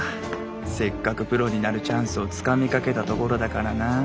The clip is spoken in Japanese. せっかくプロになるチャンスをつかみかけたところだからな。